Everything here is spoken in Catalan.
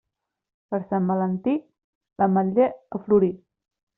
Per Sant Valentí, l'ametller a florir.